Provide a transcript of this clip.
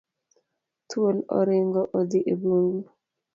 Thuol oringo odhi e bungu.